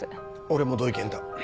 俺も同意見だ。